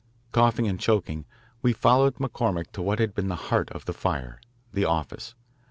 Coughing and choking, we followed McCormick to what had been the heart of the fire, the office.